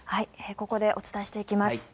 ここでお伝えしていきます。